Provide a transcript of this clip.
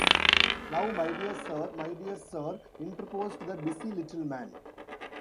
‘Now, my dear sir — my dear sir,’ interposed the busy little man.